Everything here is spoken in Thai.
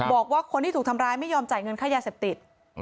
บอกว่าคนที่ถูกทำร้ายไม่ยอมจ่ายเงินค่ายาเสพติด